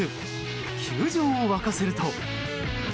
球場を沸かせると。